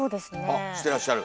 あっしてらっしゃる？